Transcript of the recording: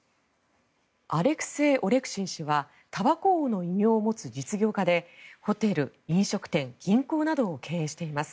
アレクセイ・オレクシン氏はたばこ王の異名を持つ実業家でホテル、飲食店、銀行などを経営しています。